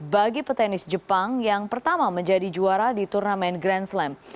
bagi petenis jepang yang pertama menjadi juara di turnamen grand slam